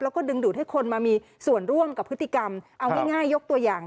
แล้วก็ดึงดูดให้คนมามีส่วนร่วมกับพฤติกรรมเอาง่ายยกตัวอย่าง